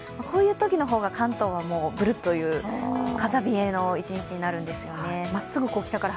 こういうときの方が関東はブルッという風冷えの一日になるんですよね。